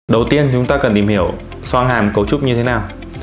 đầu tiên chúng ta cần tìm hiểu sang hàm cấu trúc như thế nào